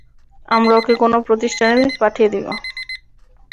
আমরা ওকে কোন প্রতিষ্ঠানে পাঠিয়ে দেবো।